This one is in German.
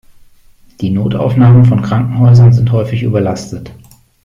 Die Notaufnahmen von Krankenhäusern sind häufig überlastet.